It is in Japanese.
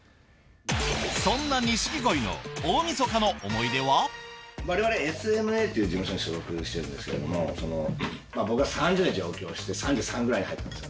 そんな我々ＳＭＡっていう事務所に所属してるんですけども僕が３０に上京して３３ぐらいに入ったんですよね。